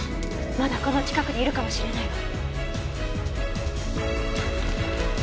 まだこの近くにいるかもしれないわ。